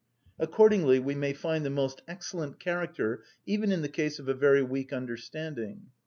Accordingly we may find the most excellent character even in the case of a very weak understanding.